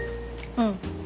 うん。